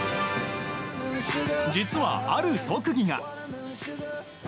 実は、ある特技が。